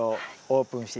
オープン！